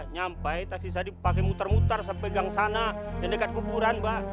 nyampe taksi saya dipakai muter muter saya pegang sana dan dekat kuburan mbak